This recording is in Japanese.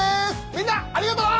みんなありがとう！